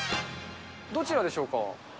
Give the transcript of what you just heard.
どちらでしょうか。